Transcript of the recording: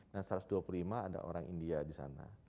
dan satu ratus dua puluh lima ada orang india di sana